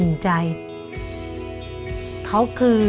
หนูอยากให้พ่อกับแม่หายเหนื่อยครับ